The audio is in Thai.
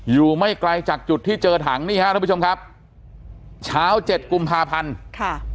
อยู่ไม่ไกลจากจุดที่เจอถังนี่ครับท่านผู้ชมครับชาว๗กุมภาพันธ์